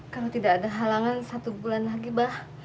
kalau tidak ada halangan satu bulan lagi bah